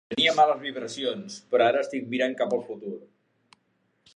Tenia males vibracions, però ara estic mirant cap al futur.